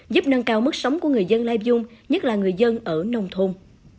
giúp nâng cao mức sống của người dân lai dung nhất là người dân ở nông thôn